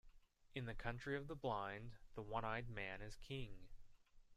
In the country of the blind, the one-eyed man is king.